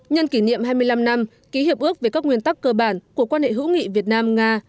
nhân kỷ niệm hai mươi năm năm ký hiệp ước về các nguyên tắc cơ bản của quan hệ hữu nghị việt nam nga